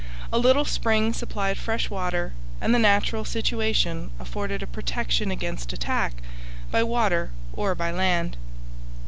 A little spring supplied fresh water, and the natural situation afforded a protection against attack by water or by land.